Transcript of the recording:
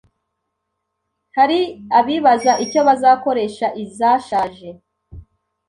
Hari abibaza icyo bazakoresha izashaje,